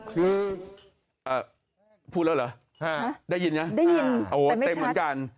๖คือพูดแล้วเหรอได้ยินไงโอ้โฮเต็มเหมือนกันได้ยินแต่ไม่ชัด